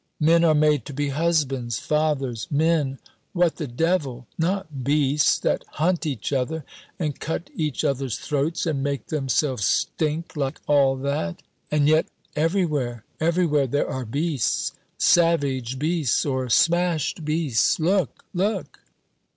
"Men are made to be husbands, fathers men, what the devil! not beasts that hunt each other and cut each other's throats and make themselves stink like all that." "And yet, everywhere everywhere there are beasts, savage beasts or smashed beasts. Look, look!"